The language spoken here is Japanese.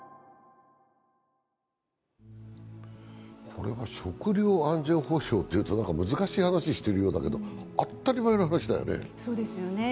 これは食料安全保障というと難しい話をしているようだけど当たり前の話だよね。